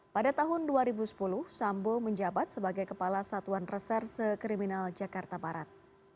pada tahun dua ribu sepuluh sambo menjabat sebagai kepala satuan reserse kriminal jakarta barat